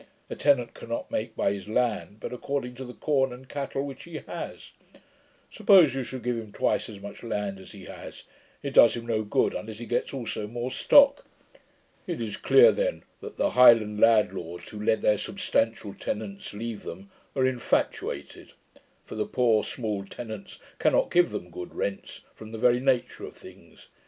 A tenant cannot make by his land, but according to the corn and cattle which he has. Suppose you should give him twice as much land as he has, it does him no good, unless he gets also more stock. It is clear then, that the Highland landlords, who let their substantial tenants leave them, are infatuated; for the poor small tenants cannot give them good rents, from the very nature of things.